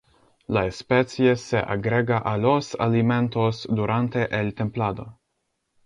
La especie se agrega a los alimentos durante el templado.